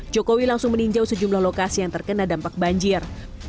jokowi langsung meninjau sejumlah lokasi yang terkena dampak banjir